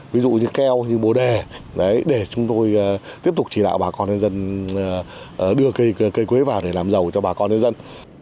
ví dụ như keo như bồ đề để chúng tôi tiếp tục chỉ đạo bà con nhân dân đưa cây quế vào để làm giàu cho bà con nhân dân